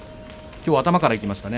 きょうは頭からいきましたね